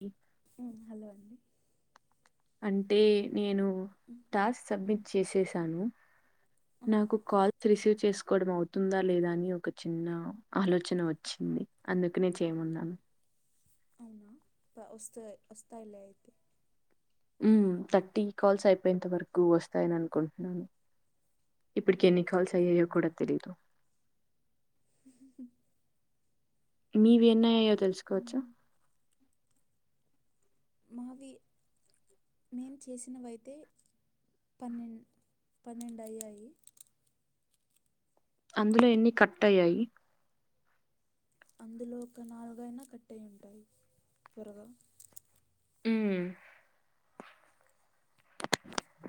హ్ హలో అండి. అంటే నేను ఉమ్, టాస్క్ ఉమ్, సబ్మిట్ చేసేసాను. ఉమ్, నాకు కాల్ రిసీవ్ చేసుకోవడం అవుతుందా లేదా అని ఒక చిన్న ఆలోచన వచ్చింది. అందుకనే చేయ ఉన్నాం అవునా వస్తాయ్ వస్తాయిలే అయితే ఉమ్ థర్టీ కాల్స్ అయిపోయేంత వరకు వస్తాయని అనుకుంటున్నాను ఇప్పటికి ఎన్ని కాల్స్ అయ్యాయో కూడా తెలీదు మీవి ఎన్నయ్యాయో తెలుసుకోవచ్చా ఉమ్, మావి మేము చేసినవయితే పన్నెం పన్నెండు అయ్యాయి అందులో ఎన్ని కట్ అయ్యాయి అందులో ఒక నాలుగైనా కట్ అయ్యి ఉంటాయి త్వరగా ఉమ్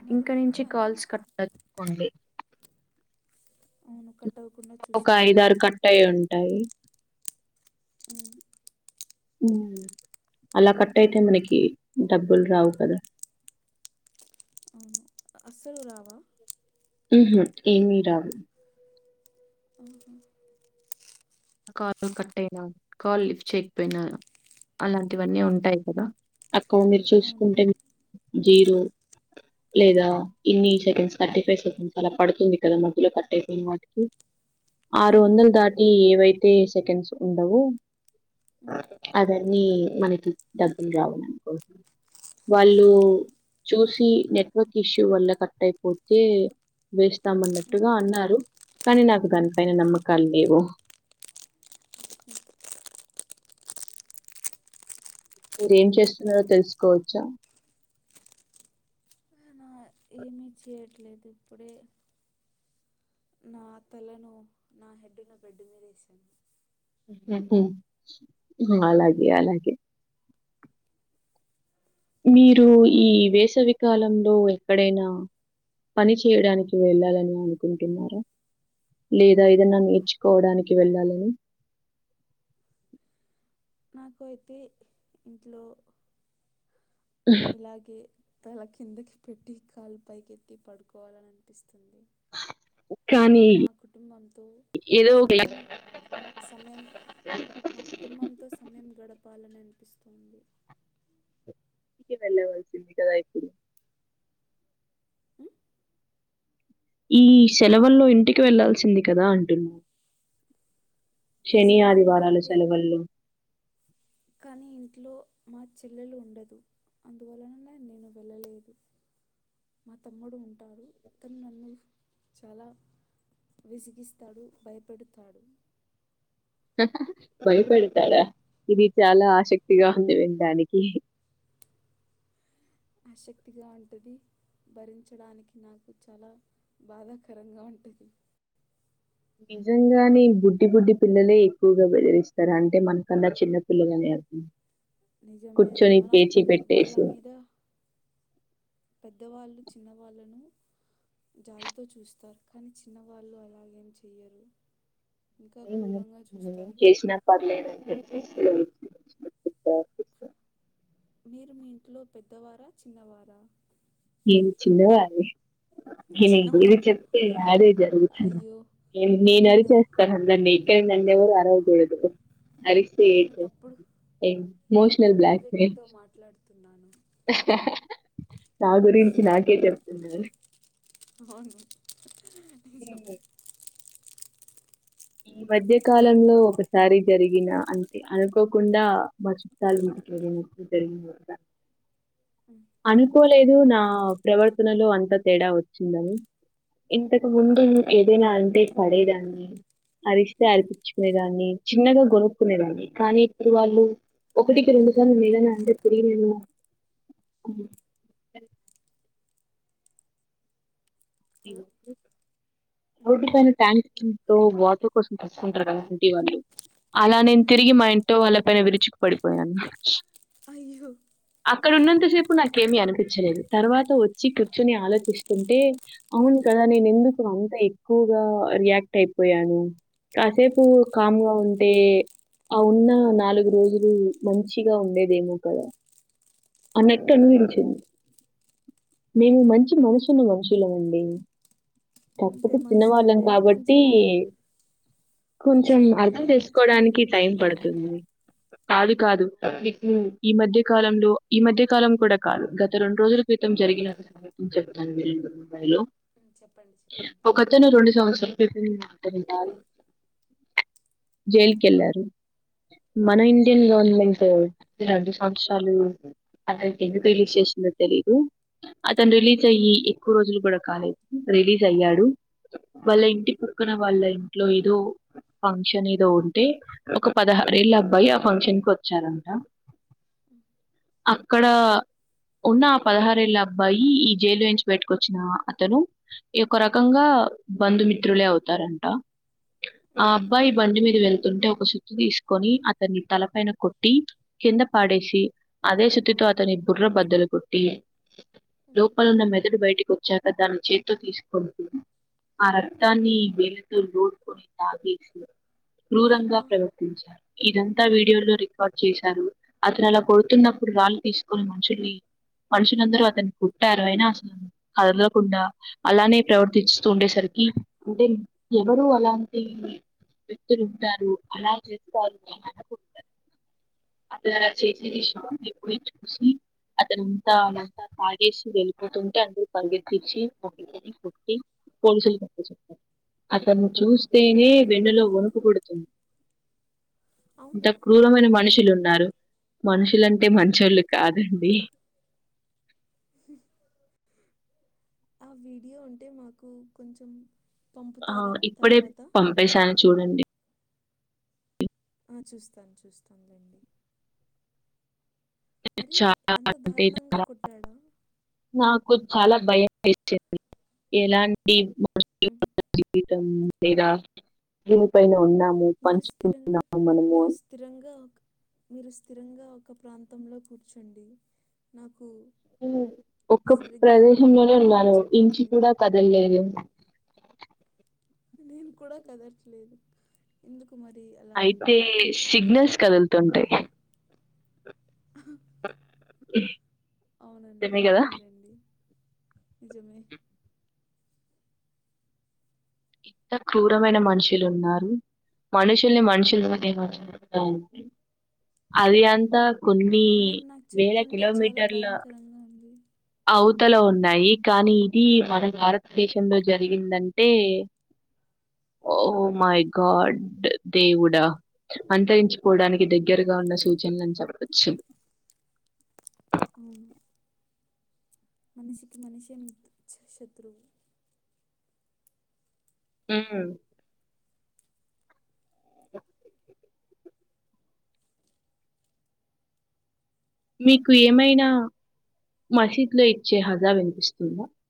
మరి ఇంకా మీకు నుంచి అన్నీ కాల్స్ కాట్ కోండి అవును కట్ అవ్వకుండా ఒక చూసుకోవాలి ఐదారు నేను కట్టయి ఉంటాయి ఉమ్ ఉమ్ అలా కట్ అయితే మనకి డబ్బులు రావు కదా అవును అసలురావా ఉహు ఏమి రావు ఉహు కాల్ కట్ అయినా కాల్ లిఫ్ట్ చేయకపోయినా అలాంటివన్నీ ఉంటాయి కదా అక్కో మీరు అవునా చూసుకుంటే జీరో లేదా ఇన్ని సెకండ్స్ థర్టీ ఫైవ్ సెకండ్స్ అలా పడుతుంది కదా మధ్యలో కట్ అయిపోయిన వాటికి ఆ, ఆరు ఆ. వందలు దాటి ఏవైతే సెకండ్స్ ఉండవు ఉమ్, అదన్నీ మనకి డబ్బులు రావాల అనుకో వాళ్ళు చూసి నెట్వర్క్ ఇష్యూ వల్ల కట్ అయిపోతే వేస్తామ ఉమ్, అన్నట్టుగా అన్నారు కానీ నాకు దానిపైన ఉమ్, నమ్మకాలు లేవు ఉమ్. మీరేం చేస్తున్నారో తెలుసుకోవచ్చా ఏం చేయట్లేదు ఇప్పుడే నా తలను నా హెడ్డును బెడ్డు మీద వేశాను ఉహూ అలాగే అలాగే మీరు ఈ వేసవికాలంలో ఎక్కడైనా పని చేయడానికి వెళ్ళాలని అనుకుంటున్నారా లేదా ఏదన్నా నేర్చుకోవడానికి వెళ్ళాలని నాకు అయితే ఇంట్లో ఇలాగే తల కిందకి పెట్టి కాలు పైకెత్తి పడుకోవాలని అనిపిస్తుంది లేదా కానీ మా కుటుంబంతో ఏదో ఒక సమయం సమయం మా కుటుంబంతో స గడపాలని అనిపిస్తుంది ఇంటికి వెళ్ళవలసింది కదా ఇప్పుడు ఉమ్, ఈ సెలవుల్లో ఇంటికి వెళ్లాల్సింది కదా అంటున్నా ఈ శని సెలవుల్లో ఆదివారాల అంటే సెలవుల్లో కానీ ఇంట్లో మా చెల్లెలు ఉండదు అందువలననే నేను వెళ్ళలేదు మా తమ్ముడు ఉంటారు అతను నన్ను చాలా విసిగిస్తాడు భయపెడుతాడు భయపెడతాడా ఇది చాలా ఆసక్తిగా ఉంది విండానికి ఆసక్తిగా ఉంటది భరించడానికి నాకు చాలా బాధాకరంగా ఉంటది నిజంగానే బుడ్డి బుడ్డి పిల్లలే ఎక్కువగా బెదిరిస్తారు అంటే మనకన్నా చిన్న పిల్లలని అది నిజమే అది మనం వాళ్ళ పెట్టేసి. మీద పెద్దవాళ్ళు చిన్నవాళ్ళను జాలితో చూస్తారు కానీ చిన్నవాళ్ళు అలాగేం చెయ్యరు ఇంకా క్రూరంగా ం చూస్తారు చేసినా పర్లేదండి [unintelligible] మీరు మీ ఇంట్లో పెద్దవారా చిన్నవారా నేను చిన్నవాల న ఇది చిన్నవారు చెప్తే అడే జరుగుతుంది అయ్యో నేను అరి చేేస్తానుందనీ ఇక్కడ నన్న ఎవరు అరవకూడదు అరిస్తే నేను ఏడ్చేస్తా తప్పుడు ఏ నేను ఇమోషనల్ తప్పు బ్లక్మెయిల్ వ్యక్తితో మాట్లాడుతున్నాను నా గురించి నాకే చెప్తున్నారు అవును ఈ మధ్య కాలంలో ఒకసారి జరిగిన అంతే అనుకోకుండా మా చిుట్టాలు తె [unintelligible] [unintelligible] అనుకోలేదు చెప్పండి నా ప్రవర్తనలో అంత తేడా వచ్చిందని ఇంతకు ముందుే నకు ఏదైనా అంటే పడేదాన్ని అరిస్తే అరిపించుకునేదాన్ని అ చిన్నగా గొరుక్కునేదాన్ని కానీ ఇప్పుడు వాళ్ళు ఒకటికి రెడు సార్న్నాదానే అంట తెరిినను ఇ హలో రటి పైన ్యాంక్ వాచర్ కోసం తెసుకుంటారు కదా వాళ్ళు అలా నేను తిరిగి మా ఇంట్లో వాళ్ళపైన విరుచికు పడిపోయాను హ అక్కడ ఉన్నంత సేపు నాకేమిీ అనిపించలేదు తర్వాత వచ్చి కూర్చొని ఆలోచిస్తుంటే అవును కదా నేను ఎందుకు అంత ఎక్కువగా రియాక్ట్ అయిపోయాను కాసేపు కామ్గా ఉంటే ఆ ఉన్న నాలుగు రోజులు మంచిగా ఉండేదేమో కదా అనకట నీల్ మేము మంచి మనసుున్న మనుషులవండి అంతే తక్కకు చిన్నవాళ్ళం మనుషులంటేనే కాబట్టి మంచోళ్ళు కొంచం అర్థం మనుషులంటేనే మంచోళ్ళు చేసుకోవడానికి టైం పడుతుంది అ కాదు కాదు అవునవును ఈ మధ్య కాలంలో ఈ మధ్య కాలం కూడా కాదు గత రెండు రోజుల క్రితం జరిగిన స చెప్తాను ఉమ్, చెప్పండి చెప్పండి ఒకతను రెండు సంవత్సరాలంద జైలుక వెళ్ళారు మన ఆ ఇండియన్ గవర్నమెంట్ రెండు సంవత్సరాలు అనికి ఎందుకు రిలీజ్ చేసిందో తెలీదు అతను రిలీజ్ అయ్యి ఎక్కువ రోజులు కూడా కాలేదు రిలీజ్ అయ్యాడు వాళ్ళ ఇంటి పక్కన వాళ్ళ ఇంట్లో ఏదో ఫంక్షన్ ఏదో ఉంటే ఒక పదహారేళ్ళ అబ్బాయి ఆ ఫంక్షన్ కి వచ్చారంట ఆ అక్కడ ఉన్న ఆ పదహారేళ్ళ అబ్బాయి ఈ జైలు నుంచి పెట్టుకొచ్చిన అతను ఈయ ఒక రకంగా బంధుమిత్రులే అవుతారంట ఆ అబ్బాయి బండి మీద వె ంటే ఒక చుట్ తీసుకొని అతన్ని తలపైన కొట్టి కింద పాడేసి అదే సతితో అతని బుర్ర బద్దలు కొట్టి లోపలున్న మెదడు బయటి వచ్చాక దాని చేతి తీసుకుంటూ ఆ రక్తాన్ని వే డుకుని తగసి క్రూరంగా ఆ, ప్రవర్తించారు ఇదంతా వీడియోలో రికార్డ్ చేశారు అతను అలా కొడుతున్నప్పుడు రాళ్లుు తీసుకొని మనుషుని మనుషులందరూ అతని పుట్టారు అయినా అసలు కదలకుండా అలానే ప్రవర్తిస్తూ ఉండేసరికి అంటే ఎవరు అలాంటి వ్యక్తులు ఉంటారు అలా చేస్తారు అలాగుంటారు అట్ల చెక్ చేసినవా నిప్పుని చూసి అతనంతా అంతా తాగేసి వెళ్ళిపోతుంటే అందరు పరుగేతిచి పట్టుకొని కొట్టి పోలీసోలకు అప్ప జెప్పారు అతను చూస్తేనే వెన్నులో వనుకు పుడుతుంది ఇంత అవునా క్రూరమైన అలాంటి మనుషులు ఉన్నారు మనుషులు ఇలాంటి మంచోళ్ళు కాదండి ఆ వీడియో ఉంటే మాకు కొంచెం ఆ పంపుతారా ఇప్పుడే తర్వాత పంపేశాను చూడండి ఆ చూస్తాను చూస్తాను లేండి చాలా అంత అంటే దారుణంగా చ కొట్టాడా నాకు చాలా భయం వేసింది ఎలాంటి ఉ టుంది ఇగ లేదా [unintelligible] పై లో వున్నా మీరుస్థిరంగా మీరు స్థిరంగా ఒక మరుస్థి రంగా ఒక ప్రాంతంలో కూర్చోండి నాకు ఒక్క సరిగ్గా ప్రదేశంలోనే ఉన్నాను వినిపించటం ఇంచి లేదు కూడా కదలలేదు నేను కూడా కదట్లేదు ఎందుకు మరి అలా అయితే సిగ్నల్స్ కదులుతుంటాయి అహ్హ్ అవునండి నిజమే కదా! అవునులేండి నిజమే ఎంత క్రూరమైన మనుషులున్నారు మనుషుల్ని మనుషులు మధ్య [unintelligible] అది అంతా కొన్ని మీరు నాకు వేల చెప్తుంటే చాలా కిలోమీటర్ల భయంకరంగా ఉంది అవు తలో ఉన్నాయి కానీ ఇది మన భారతదేశంలో జరిగిందంటే ఓ మై గాడ్ దేవుడా అంతరించుకోవడానికి దగ్గరగా ఉన్న సూచనలని చెప్పచ్చు ఊ మనిషికి మనిషె మిత్ శత్రువు ఆ మీకు ఏమైనా మసీద్ లో ఇచ్చే హజా వినిపిస్తుందా